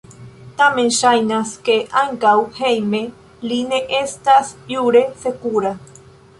Tamen ŝajnas, ke ankaŭ hejme li ne estas jure sekura.